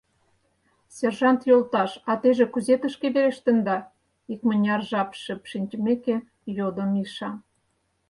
— Сержант йолташ, а теже кузе тышке верештында? — икмыняр жап шып шинчымеке, йодо Миша.